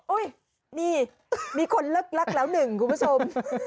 อุ๊ยนี่มีคนลักแล้วหนึ่งคุณผู้ชม